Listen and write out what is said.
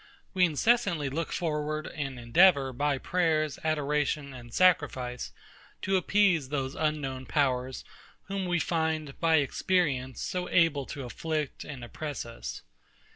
We incessantly look forward, and endeavour, by prayers, adoration, and sacrifice, to appease those unknown powers, whom we find, by experience, so able to afflict and oppress us.